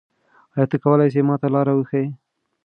آیا ته کولای ېې ما ته لاره وښیې؟